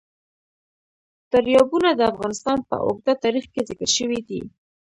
دریابونه د افغانستان په اوږده تاریخ کې ذکر شوی دی.